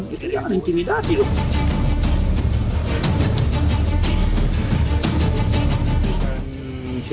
itu jangan intimidasi loh